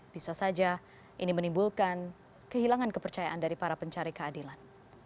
bisa saja ini menimbulkan kehilangan kepercayaan dari para pencari keadilan